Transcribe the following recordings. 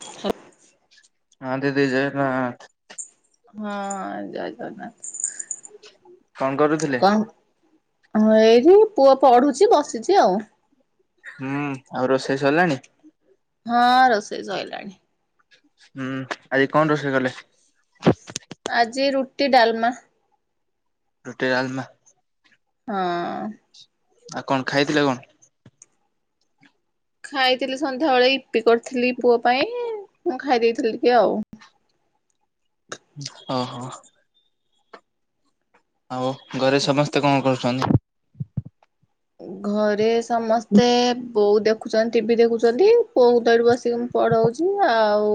ଛ। ହଁ ଦେଇ ଦେଇ ଜଏ ହନୁମାନ୍। ହଁ ହଁ ଜଏ ଜଗନ୍ନାଥ୍। କଣ କରୁଥିଲେ? ହଁ ଏଇଠି ପୁଅ ପଢୁଛି ବସିଛି ଆଉ। ହୁଁ ଆଉ ରୋଷେଇ ସରିଲାଣି? ହଁ ରୋଷେଇ ସରିଲାଣି ହୁଁ ଆଜି କଣ ରୋଷେଇ କଲେ? ଆଜି ରୁଟି ଡାଲମା। ରୁଟି ଡାଲମା। ହଁ। ଆଉ କଣ ଖାଇଥିଲ କଣ? ଖାଇଥିଲି ସନ୍ଧ୍ୟା ବେଳେ ଇପି କରିଥିଲି ପୁଅ ପାଇଁ। ମୁଁ ଖାଇ ଦେଇେଇଥିଲି ଟିକେ ଆଉ। ହଁ ହୋ। ଆଉ ଘରେ ସମସ୍ତେ କଣ କରୁଛନ୍ତି? ଘରେ ସମସ୍ତେ ବୋଉ ଦେଖୁଛନ୍ତି ଟିଭିି ଦେଖୁଛନ୍ତି କୋଉ ତଳୁ ବସିକି ମୁଁ ପଢଉଛି ଆଉ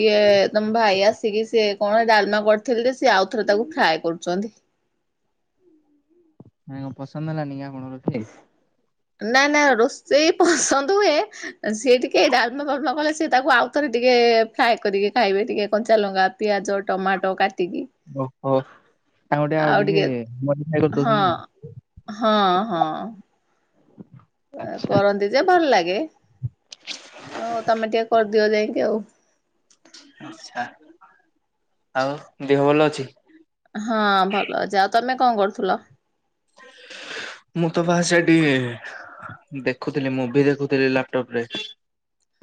ଇଏ ତମ ଭାଇ ଆସିକି ସି କଣ ଡାଲମା କରିଥିଲେ ଯେ ସ ଆଉ ଥରେ ତାକୁ ଫ୍ରାଏ କରୁଛନ୍ତି। ହୁଁ ହୁଁ। କାଇଁ ପସନ୍ଦହେଲାନି କି [inaudible] ନା ନା ରୋଷେଇ ପସନ୍ଦ ହୁଏ ସିଏ ଟିକେ ଡାଲମା ଫାଳମ କଲେ ସିଏ ତାକୁ ଆଉଥରେ ଟିକେ ଫ୍ରାଏ କରିକି ଖାଇବେ ଟିକେ କଞ୍ଚା ଲଙ୍କା ପିଆଜ ଟମାଟୋ କାଟିକି। ଓହୋ ତା ଟେ ଆଉ ଟିକେ ମଡି ହଁ କରିଦଉଛନ୍ତି ଆଉ। ହଁ ହଁ ଆଚ୍ଛା। କରନ୍ତି ଯେ ଭଲ ଲାଗେ। ହଉ ତମେ ଟିକେ କରିଦିଅ ଯାଇକି ଆଉ। ଆଛା ଆଉ ଦେହ ଭଲ ଅଛି? ହଁ ଭଲ ଅଛି ଆଉ ତମେ କଣ କରୁଥିଲ? ମୁଁ ତ ବା ସେଠି ଦେଖୁଥିଲି ମୁଭି ଦେଖୁଥିଲି ଲାପଟପ ରେ।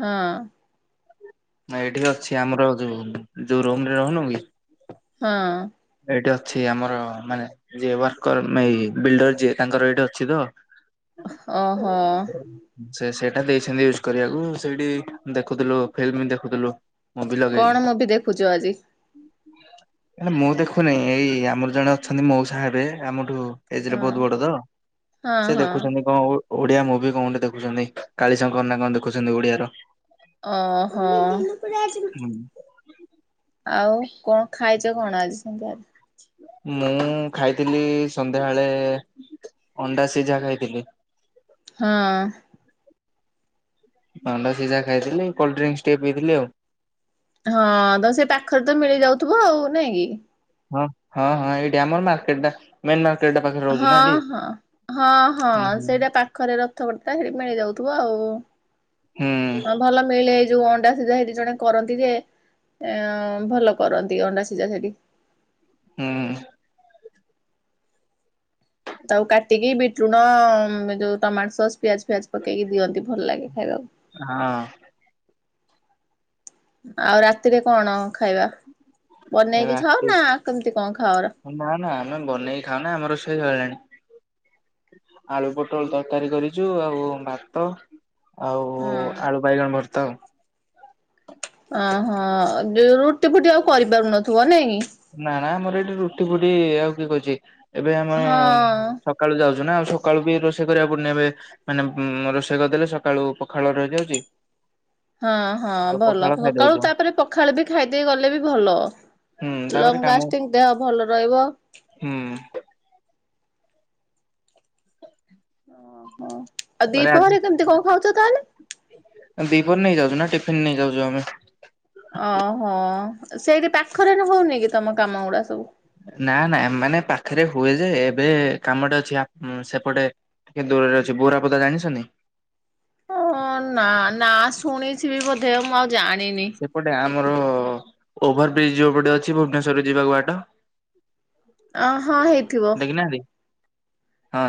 ହଁ। ନା ଏଇଠି ଅଛି ଆମର ଯୋଉ ଯୋଉ ରୋମରେ ରହୁନୁ କି ହଁ। ଏଇଠି ଅଛି ଆମର ମାନେ ଯିଏ ୱାର୍କର ଏ ବିଲ୍ଡର ଯିଏ ତାଙ୍କର ଏଇଠି ଅଛି ତ। ହ ହୋ। ଟା ଦେଇଛନ୍ତି ୟୁଜ କରିବାକୁ ସେଇଠି ଦେଖୁଥିଲୁ ଫିଲ୍ମ ଦେଖୁଥିଲୁ। ମୁଭି ଲଗେଇକି କଣ ମୁଁ ମୁଭି ଦେଖୁଛୁ ଆଜି? ହେଲେ ମୁଁ ଦେଖୁନି ଏଇ ଆମର ଜଣେ ଅଛନ୍ତି ମଉ ସାହେବ ଆମଠୁ ଏଜରେ ହଁ ବହୁତ ବଡ ତ ହଁ ସେ ହଁ ଦେଖୁଛନ୍ତି କଣ। ଓଡିଆ ମୁଭି କୋଣଠେ ଦେଖୁଛନ୍ତି କାଳିଶଙ୍କର ନା କଣ ଦେଖୁଛନ୍ତି ଓଡିଆର। ଅ ହଁ। ଆଉ କଣ ଖାଇଛ କଣ ଆଜି ସନ୍ଧ୍ୟା? ମୁଁ ଖାଇଥିଲି ସନ୍ଧ୍ୟାବେଳେ ଅଣ୍ଡା ସିଝା ଖାଇଥିଲି। ହଁ। ଅଣ୍ଡା ସିଝା ଖାଇଥିଲି କୋଲଡ ଡ୍ରିଙ୍କସ ଟିକେ ପିଇଥିଲି ଆଉ। ହଁ ତ ସେ ପାଖରେ ତ ମିଳି ଯାଉଥିବ ଆଉ ନାଇଁ କି? ହଁ ହଁ ହଁ ଏଇଠି ଆମର ମାର୍କେଟଟା ମେନ ହଁ ହଁ ହଁ ହଁ ହୁଁ ସେଇଟା ପାଖରେ ରଥ କଟ ସେଠି ମିଳିଯାଉଥିବ ଆଉ। ହୁଁ ହ ଭଲ ମିଳେ ଏଇ ଯୋଉ ଅଣ୍ଡା ସିଧା ହେ ଜଣେ କରନ୍ତି ଯେ ଅ ଭଲ କରନ୍ତି ଅଣ୍ଡା ସିଜା ସେଠି। ହୁଁ। ଆଉ କାଟିକି ବିଟୁଣ ଯୋଉ ଟମାଟୋ ସସ୍ ପିଆଜ ପିଆଜ ପକେଇକି ଦିଅନ୍ତି ଭଲ ଲାଗେ ଖାଇବାକୁ। ହଁ। ଆଉ ରାତିରେ କଣ ଖାଇବା? ବନେଇକି ଖାଉ ରାତି ନା କେମିତି କଣ? ଖାଅ? ନା ନା ଆମେ ବନେଇକି ଖାଉନା ଆମର ରୋଷେଇ ସଇଲାଣି। ଆଳୁ ପୋଟଳ ତରକାରୀ କରିଚୁ ଆଉ ଭାତ। ଆଉ ହଁ ଆଳୁ ବାଇଗଣ ଭର୍ତା ଆଉ। ଓହୋ ରୁଟି ଫୁଟି ଆଉ କରିପାରୁନଥିବ ନାଇଁ। ନା ନା ଆମର ଏଠି ରୁଟି ଫୁଟି ଆଉ କିଏ କରୁଚି। ଏବେ ଆମେ ହଁ ସକାଳୁ ଯାଉଚୁ ଆଉ ସକାଳୁ ବି ରୋଷେଇ କରିବାକୁ ପଡୁନି। ଏବେ ମାନେ ରୋଷେଇ କରିଦେଲେ ସକାଳୁ ପଖାଳ ରହିଯାଉଛି। ହଁ ହଁ ତ ଭଲ ପଖାଳ ସକାଳୁ ଖାଇଦଉଛୁ ତାପରେ ପଖାଳ ବି ଖାଇଦେଇ ଗଲେ ବି ଭଲ। ହୁଁ ତାପରେ ଲଙ୍ଗ କାମ ଲାଷ୍ଟିଙ୍ଗ ଦେହ ଭଲ ରହିବ। ହୁଁ ଓହୋ। ଆଉ ତାପରେ ଆଜି ଦିପହରେ କେମିତି କଣ ଖାଉଛ ତାହେଲେ? ଟିଫିନ୍ ନେଇ ଯାଉଚୁ ଆମେ। ଓହୋ ସେଇଠି ପାଖରେ ହଉନି କି ତମ କାମ ଗୁଡା ସବୁ। ନା ନା ମାନେ ପାଖରେ ହୁଏ ଯେ ଏବେ କାମଟା ଅଛି ସେପଟେ ଟିକେ ଦୂରରେ ଅଛି, ବୋରାପଦା ଜାଣିଛନ୍ତି? ହଁ ନା ନା ଶୁଣିଥିବି ବୋଧେ ମୁଁ ଆଉ ଜାଣିନି। ସେପଟେ ଆମର ଓଭର ବ୍ରିଜ ଯୋଉ ପଟେ ଅଛି ଭୁବନେଶ୍ଵର କୁ ଯିବା କୁ ବାଟ। ଅ ହଁ ହେଇ ଦେଖିନାହାନ୍ତି?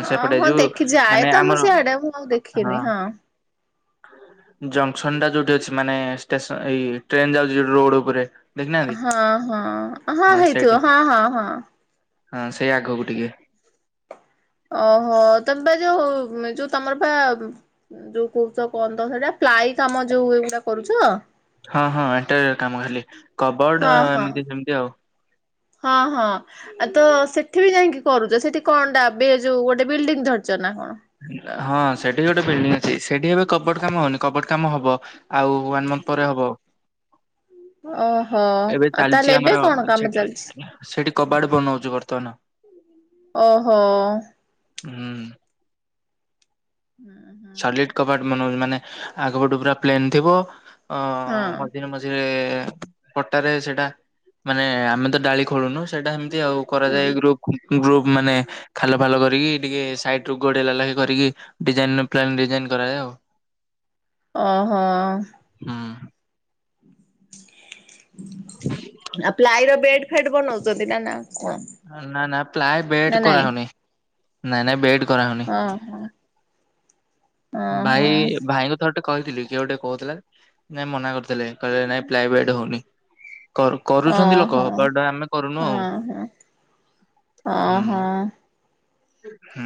ହଁ ସେପଟେ ହଁ ଯୋଉ ଦେଖି ମାନେ ଯାଏ ତ ଆମର ମୁଁ ସିଆଡେ ମୁଁ ଆଉ ଦେଖିନି ହଁ। ଜଙ୍କସନ ଟା ଯୋଉଠି ଅଛି ମାନେ ଷ୍ଟେସ ଏଇ ଟ୍ରେନ ଯାଉଛି ରୋଡ ଉପରେ। ଦେଖିନାହାନ୍ତି? ହଁ ହଁ ହଁ ହେଇଥିବ ହଁ ହଁ ହଁ। ହଁ ସେଇ ଆଗକୁ ଟିକେ। ଓହୋ ତମେ ବା ଯୋଉ ଯୋଉ ତମର ପା ଯୋଉ କହୁଚ ପନ୍ଦର ହଜାର ପ୍ଲାଇ କାମ ଯୋଉ ଏଗୁଡା କରୁଚ। ହଁ ହଁ ଏଟା କାମ ହେଲେ କବଡ ହଁ ହଁ। ଏମିତି ସେମିତି ଆଉ। ହଁ ହଁ ଆଉ ତ ସେଠି ବି ଯାଇକି କରୁଛ। ସେଠି କଣଟା ବେ ଯୋଉ ଗୋଟେ ବିଲ୍ଡିଙ୍ଗ ଧରି। [unintelligible] ହଁ ସେଠି ଗୋଟେ ବିଲଡିଂ ଅଛି। ସେଠି ଏବେ କବଟ କାମ ହଉନି କବଟ କାମ ହବ। ଆଉ ୱାନ୍ ମନ୍ଥ ପରେ ହବ। ଓ। ଏବେ ଚାଲିଛି ଆମର ସେଠି। ଚାଲିଛି? ସେଠି କବାଟ ବନଉଛିୁ ବର୍ତ୍ତମାନ। ଓହୋ। ହୁଁ। [inaudible] ସଲିଡ କବାଟ ମାନେ ଆଗ ପଟୁ ପୁରା ପ୍ଲେନ ଥିବ ଅ ହଁ ମଝିରେ ମଝିରେ ପଟାରେ ସେଇଟା ମାନେ ଆମେ ତ ଡାଳି ଖୋଳୁନୁ ସେଇଟା ଆଉ ହଁ କରାଯାଏ ଗ୍ରୁପ କୁ ଗ୍ରୁପ ମାନେ ଖାଲ ଫାଲ କରି ଟିକେ ସାଇଟ ରୁ ଗୋଡେଇଲା ଲାଖେ କରିକି ଡିଜାଇନ ରୁ ପ୍ଲେନ ଡିଜାଇନ କରାଯାଏ ଆଉ। ଓ ହୋ। ହୁଁ ଆଉ ପ୍ଲାଇର ବେଟ ଫେଟ ବନଉଚ। [unintelligible] ନା ନା ପ୍ଲାଏ ବେଟ କରାହଉନି। ନାଇଁ ନାଇଁ ବେଟ ଅ ହଁ । ଭାଇ ଭାଇଙ୍କୁ ଥରେ ଟେ କହିଥିଲି କିଏ ଗୋଟେ କହୁଥିଲା। ନାଇଁ ମନା କରିଥିଲେ, କହିଲେ ନାଇଁ ପ୍ଲାଏ ବେଡ୍ ହଉନି। କରୁ କରୁଛନ୍ତି ଲୋକ ଓହୋ। ବଟ ଆମେ କରୁନୁ ଆଉ। ଅ ହୁଁ ହୋ। ହୁଁ।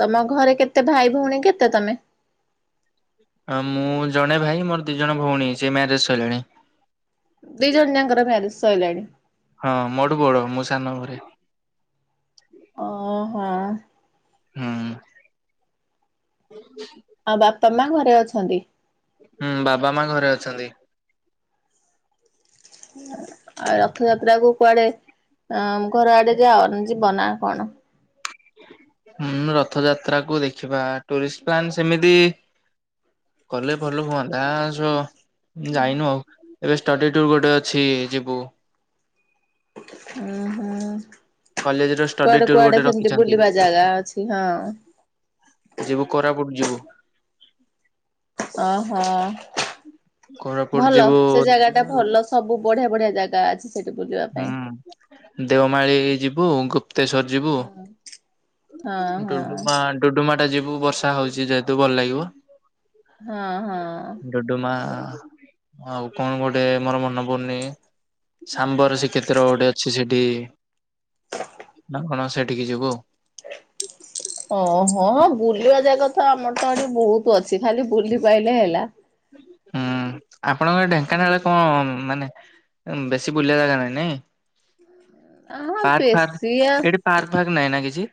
ତମ ଘରେ କେତେ ଭାଇ ଭଉଣୀ କେତେ ତମେ? ମୁଁ ଜଣେ ଭାଇ ମୋର ଦି ଜଣ ଭଉଣୀ ସେ ମ୍ୟାରେଜ ସରିଲାଣି। ଦିଇ ଜଣ ଯାଙ୍କର ମ୍ୟାରେଜ ସାରିଲାଣି। ହଁ ମୋଠୁ ବଡ଼ ମୁଁ ସାନ ଘରେ। ଓ ହୋ। ହୁଁ। ଆଉ ବାପା ମା ଘରେ ଅଛନ୍ତି? ହୁଁ ବାବା ମା ଘରେ ଅଛନ୍ତି। ଆଉ ରଥଯାତ୍ରା କୁ କୁଆଡେ ଅ ଘର ଆଡେ ଯାଅ ଯିବନା କଣ? ହଁ ରଥଯାତ୍ରା କୁ ଦେଖିବା ଟୁରିଷ୍ଟ ପ୍ଲାନ ସେମିତି କଲେ ଭଲ ହୁଅନ୍ତା ସ ଯାଇନୁ ଆଉ ଏବେ ଷ୍ଟଡିଟୁ ଗୋଟେ ଅଛି ଯିବୁ। ହୁଁ ହୁଁ। କଲେଜ ର ଷ୍ଟଡି କୁଆଡେ ଟୁର ଗୋଟେ କୁଆଡେ ସେମତି ରଖିଛନ୍ତି ବୁଲିବା ଜାଗା ଅଛି ହଁ। ଯିବୁ କୋରାପୁଟ ଯିବୁ। ଓ ହୋ। କୋରାପୁଟ ଭଲ ଯିବୁ ସେ ଜାଗା ଟା ଭଲ ସବୁ ବଢିଆ ବଢିଆ ଜାଗା ଅଛି। ସେଠି ବୁଲିବା ପାଇଁ। ହୁଁ ଦେଓମାଳିୀ ଯିବୁ ଗୁ୍ ତେଶର ହଁ ହଁ ଯିବୁୁୁ ହଁ ଡୁଡୁମା ଡୁଡୁମା ଟା ଯିବୁ ବର୍ଷା ହଉଛି ଯେହେତୁ ଭଲ ଲାଗିବ। ହଁ ହଁ। ଡୁଡୁମା ଆଉ କଣ ଗୋଟେ ମୋର ମନେ ପଡନି ସାମ୍ବର ସେ କେତର ଗୋଟେ ଅଛି ସେଠି ନା କଣ ସେଠିକ ଯିବୁ ଆଉ। ହଁ ବୁଲିବା ଜାଗା ତ ଆମର ତ ଏଠି ବହୁତ ଅଛି ଖାଲି ବୁଲି ପାଇଲେ ହେଲା। ହୁଁ ଆପଣଙ୍କର ଢେଙ୍କାନାଳ ହଁ କଣ ମାନେ ବେଶୀ ବୁଲିବା ଜାଗା ନାଇଁ। ପାର୍କ ଫାର୍ ବେଶୀ ଆ ଏଠି ପାର୍କ ଫାର୍କ ନହିଁ ନା କିଛି?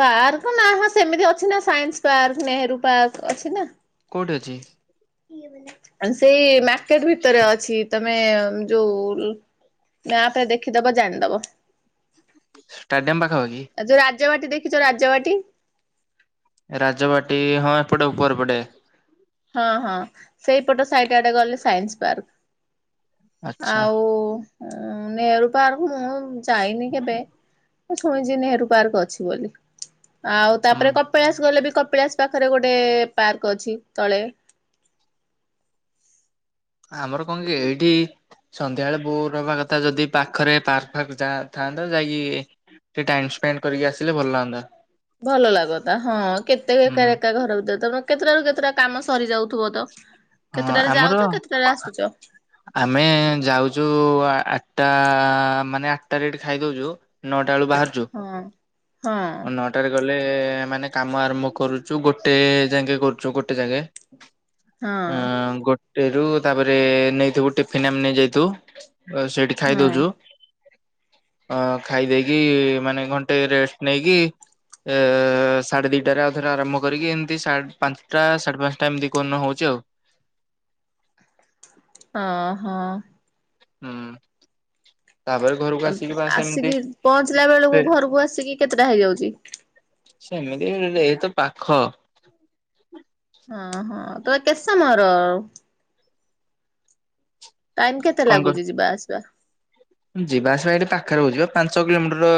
ପାର୍କ ନା ହ ସେମିତି ଅଛି ନା ସାଇନ୍ସ ପାର୍କ ନେହେରୁ ପାର୍କ ଅଛି ନା। କୋଉଠି ଅଛି? ସେଇ ମାର୍କେଟ ଭିତରେ ଅଛି ତମେ ଯୋଉ ମ୍ୟାପ ଦେଖିଦବ ଜାଣିଦବ। ଷ୍ଟାଡିୟମ ପାଖାପାଖି ଆଉ ଯୋଉ ରାଜବାଟୀ ଦେଖିଛ ରାଜବାଟୀ। ରାଜବାଟୀ ହଁ ଏପଟେ ଉପର ପଡେ ହଁ ହଁ ସେଇପଟ ସାଇଟ ଆଡେ ଗଲେ ସାଇନ୍ସ ପାର୍କ। ଆଚ୍ଛା ଆଉ ନେହେରୁ ପାର୍କ ମୁଁ ଯାଇନି କେବେ। ଛୁଣିଛି ନେହେରୁ ପାର୍କ ଅଛି ବୋଲି ଆଉ ହୁଁ ତାପରେ କପିଳାସ ଗଲେ ବି କପିଳାସ ପାଖରେ ଗୋଟେ ପାର୍କ ଅଛି ତଳେ ଆମର କଣ କି ଏଇଠି ସନ୍ଧ୍ୟାବେଳେ ବୋଉ ରହବା କଥା ଯଦି ପାଖରେ ପାର୍ ଫାର୍କ ଯା ଥା ଯାଇକି ସେ ଟାଇସ୍ପେଣ୍ଡ କରିକି ଆସିଲେ ଭଲ ଲାଗନ୍ତା। ଭଲ ଲାଗତା ହଁ କେତେ ଏକା ହୁଁ ଏକା ଘର ଭିତରେ ତମେ କେତେଟାରୁ କେତେଟା କାମ ସରିଯାଉଥିବ ତ। ହଁ କେତେଟାରେ ଆମର ଯାଉଛ କେତେଟାରେ ଆସୁଛ ଆମେ ଯାଉଛୁ ଆଠଟା ମାନେ ଆଠଟା ରେଟ ଖାଇ ଦଉଛୁ। ନଅଟା ବେଳୁ ବାହାରୁଛୁ ହଁ। ହଁ ନଅଟାରେ ଗ ମାନେ କାମ ଆରମ୍ଭ କରୁଛୁ ଗୋଟେ ଯାଗେ କରୁଛୁ ଗୋଟେ ଯାଗେ। ହଁ ଅ ଗୋଟେରୁ ତାପରେ ନେଇଥିବୁ ଟିଫିନ ଆମେ ନେଇ ଯାଇଥିବୁ। ସେଇଠି ଖାଇ ହଁ ଦଉଛୁ। ଅ ଖାଇ ଦେଇେଇକି ମାନେ ଘଣ୍ଟେ ରେଷ୍ଟ ନେଇକି। ଏ ସାଢ଼େ ଦିଟାରେ ଆଉ ଥରେ ଆରମ୍ଭ କରିକି ଏମିତି ପାଞ୍ଚଟା ସାଢେ ପାଞ୍ଚଟା ଏମିତି କନ ହଉଛି ଆଉ। ହ ହୋ। ହୁଁ। ତାପରେ ଘରକୁ ଆସିକି ବାସ ଏମିତି ଆସିକି ପହଞ୍ଚିଲା ସେ ବେଳକୁ ଘରକୁ, ଆସିକି କେତେଟା ହେଇଯାଉଛି? ସେମିତି ଏଇତ ପାଖ ଓ ହଁ, ତମ କେତେ ସମୟର ଆଉ ଟାଇମ କେତେ କଣ କର ଲାଗୁଛି, ଯିବା ଆସିବା? ଯିବା ଆସିବା ଏଇ ପାଖରେ ହେଉଛି ପା, ପାଞ୍ଚ କିଲୋମିଟର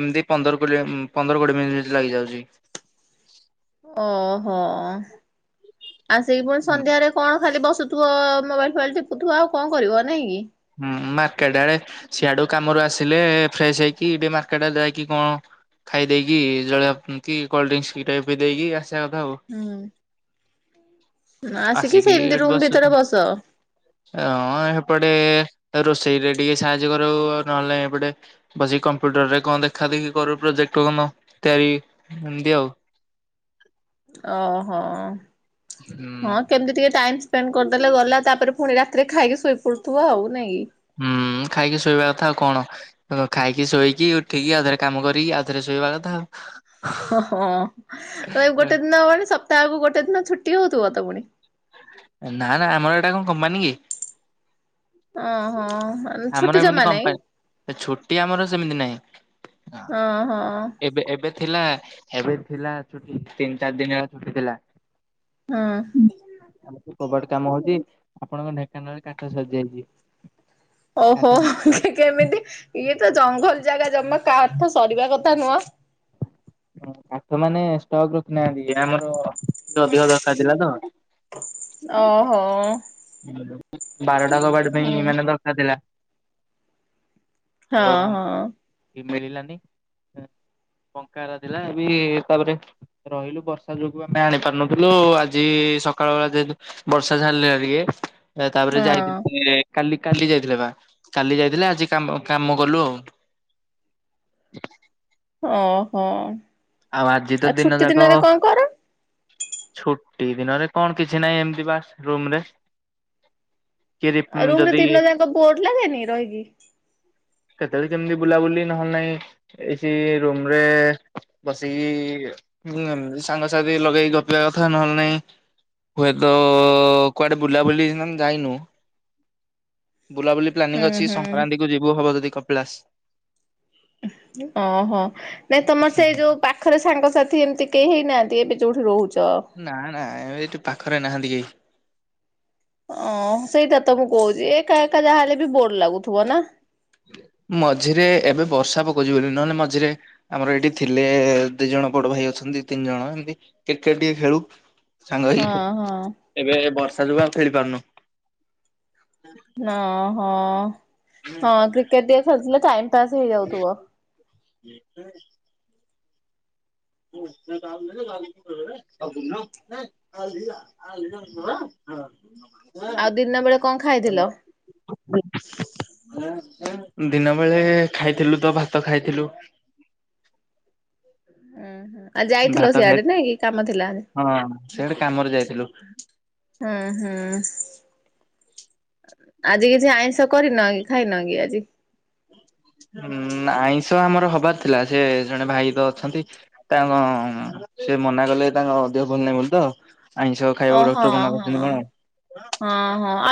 ଏମିତି ପନ୍ଦର, ପନ୍ଦର କୋଡିଏ ମ ହେଇଯାଉଛି । ଓହୋ, ଆସିକି ପୁଣି ହୁଁ ସନ୍ଧ୍ୟାରେ କଣ ଖାଲି ବସ ଶୁଥିବ, ମୋବାଇଲ୍ ଫୋବାଇଲ ଟିପୁଥିବ ଆ କଣ କରିବ? ନାଇଁ କି? ହୁଁ ମାର୍କେଟ ଆଡେ ସିଆଡୁ କାମରୁ ଆସିଲେ ଫ୍ରେଶ ହେଇକି ମାର୍କେଟରେ ଯାଇକି କଣ? ଖାଇ ଦେଇକି, ଜଳ କୋଲଡ୍ରି ଟପ ବି ଦେଇକି ଆସ [unintelligible] ଥାଉ [unintelligible] ହୁଁ ଆସିକି ସେମିତି ଏଠି ରୁମ ବସ, ଭିତରେ ହଁ ଏପଟେ [unintelligible] ଉ ରୋଷେଇ ରେ ଟିକେ ସାହାଯ୍ୟ କର, ଆଉ ନହେଲେ ଏପଟେ ବସିକି କମ୍ପ୍ୟୁଟର ରେ କଣ ଦେଖା ଦେଖି କରୁ ପ୍ରୋଜେକ୍ଟ ତତିଆର ଏମତିି ଆଉ [unintelligible] ଓହୋ, ହୁଁ। ହଁ କେମିତି ଟିକେ ଟାଇମ୍ ସ୍ପେଣ୍ଡ କରିଦେଲେ ଗଲା, ତାପରେ ପୁଣି ରାତିରେ ଖାଇକି ଶୋଇ ପଡୁଥିବ ଆଉ, ନାଇଁ କି? ହୁଁ, ଖାଇକି ଶୋଇବା କଥା, ଆଉ କଣ? ଖାଇକି, ଶୋଇକି, ଉଠିକି କାମ କରି ଆଉଥରେ ଶୋଇବା କଥାଉ ଓହୋ, ଏ ଗୋଟେ ଦିନ ହବଣି ସପ୍ତାହକୁ ଗୋଟେ ଦିନ ଛୁଟି ହଉଛି । ତୁ ଆତା ପଣି [unintelligible] ନା ନା ଆମର ଏଇଟା କଣ କମ୍ପାନୀ କି? ହ ହଁ । ଆମର ଏମିତି କ ପାଇଁ, ଛୁଟି ଆମର ସେମିତି ନାହିଁ ହଁ, ଏବେ ଏବେ ଥିଲା, ଏବେ ଥିଲା ଛୁଟି ତିନି ଚାରି ଦିନ ହେଲା ଛୁଟି ଥିଲା ହଁ। । ଆମ କବାଟ କାମ ହଉଛି । ଆପଣଙ୍କ ଢେଙ୍କାନାଳରେ କାଠ ସରିଯାଇଛି । ଓହୋ, କେମିତି? ଇଏ ତ ଜଙ୍ଗଲ ଜାଗା, ଜମା କାଠ ସରିବା କଥା ନୁହଁ। କାଠ ମାନେ ଷ୍ଟକ୍ ରଖିନାହାନ୍ତି, ଆମର ତ ଦେହ ଦରକାର ଥିଲା ତ ଓହୋ ବାରଟା କବାଡ ପାଇଁ ହୁଁ ମାନେ ଦରକାର ଥିଲା । ହଁ ହଁ । କି ମିଲିଲାନି । ବଙ୍କାରା ଥିଲା, ଏବେ ତାପରେ ରହିଲୁ ବର୍ଷା ଯୋଗୁ ଆମେ ଆଣି ପାରୁନଥିଲୁ, ଆଜି ସକାଳ ବେଳା ଯେହେତୁ ବର୍ଷା ସାରିଲା ଟିକେ, ତାପରେ ହଁ। ଯାଇଥିଲି । କାଲି, କାଲି ଯାଇଥିଲେ ବା, କାଲି ଯାଇଥିଲେ, ଆଜି କ କାମ କଲୁ, ଆଉ [inaudible] ଓହୋ, ଆଜି ତ ଆଉ ଦିନ ଛୁଟି ଯାକ ଦିନରେ କଣ କର? ଛୁଟି ଦିନରେ କଣ କିଛି ନାହିଁ ଏମିତି ବା ରୁମ ରେ କିଏ ଆଉ ରୁମ ରେ ଯଦି ଦିନ ଜାକ ବୋର ଲାଗେନି ରହିକି? କେତେବେଳେ କେମତି ବୁଲାବୁଲି ନହେଲେ ନାହିଁ, ଏ ସେଇ ରୁମରେ ବସିକି ସାଙ୍ଗ ସାଥି ଲଗେଇକି ଗପିବା କଥା ନହେଲେ ନାଇଁ ହୁଏତ, କୁଆଡେ ବୁଲାବୁଲି ଯାଇନୁ? ବୁଲାବୁଲି ପ୍ଲାନିଂ ହୁଁ ଅଛି, ହୁଁ। ସଂକ୍ରାନ୍ତିକୁ ଯିବୁ ହବ ଯଦି କପିଳାସ । ଓହୋ, ନାଇଁ ତମର ସେଇ ଯୋଉ ପାଖରେ ସାଙ୍ଗସାଥି ଏମିତି କେହି ହେଇନାହାନ୍ତି, ଏବେ ଯେଉଠି ରହୁଛ? ନା ନା ଏବେ ଏଠୁ ପାଖରେ ନାହାନ୍ତି କେହି ଓ ସେଇଟା ତ, ମୁଁ କହୁଛି, ଏକା ଏକା ଯାହା ହେଲେ ବି ବୋର ଲାଗୁଥିବ ନା ମଝିରେ ଏବେ ବର୍ଷା ପକଉଛି ବୋଲି ନହେଲେ ମଝିରେ ଆମର ଏଇଠି ଥିଲେ ଦି ଜ ଣ ବଡ଼ ଭାଇ ଅଛନ୍ତି ତିନି ଜଣ ଏମିତି କ୍ରିକେଟ୍ ଟିକେ ଖେଳୁ। ସାଙ୍ଗ ହେଇ ହଁ ହଁ ଏବେ ବର୍ଷା ଯୋଗୁ ଆଉ ଖେଳି ପାରୁନୁ। ନ ହଁ ହଁ କ୍ରିକେଟ୍ ଟିକେ ଖେଳିଥିଲେ ଟାଇମ୍ ତାସ୍ ହେଇଯାଉ ଥୁବ। [unintelligible] ହ ଆଉ ଦିନ ବେଳେ କଣ ଖାଇଥିଲ? ହ ଦିନ ବେଳେ ଖାଇଥିଲୁ ତ ଭାତ ଖାଇଥିଲୁ ଉଁ ହୁଁ। ଆ ଯାଇଥିଲ ଭାତ ଖାଇ ସିଆଡ଼େ ନାଁ କି କାମ ଥିଲା। ହଁ ସେଆଡେ କାମରେ ଯାଇଥିଲୁ। ହୁଁ ହୁଁ। ଆଜି କିଛି ଆଇଁଷ କରିନ କି ଖାଇନ କି ଆଜି? ହୁଁମ୍ ଆଇଁଷ ଆମର ହବାର ଥିଲା ଯେ ଜଣେ ଭାଇ ତ ଅଛନ୍ତି ତାଙ୍କ ସେ ମନା କଲେ ତାଙ୍କ ଦେହ ଭଲ ନାହିଁ ବୋଲି ତ। ଆଇଁଷ ଓ ଖାଇବାକୁ ହଁ ଡକ୍ଟର ମନା ହଁ କରଛନ୍ତି କଣ। ହଁ ହଁ